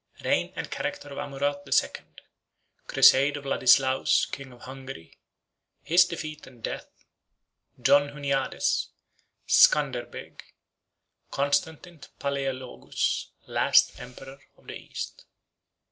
—Reign And Character Of Amurath The Second.—Crusade Of Ladislaus, King Of Hungary.— His Defeat And Death.—John Huniades.—Scanderbeg.— Constantine Palæologus, Last Emperor Of The East.